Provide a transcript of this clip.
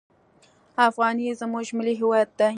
افغانۍ زموږ ملي هویت دی.